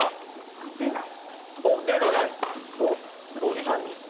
あっ出ない。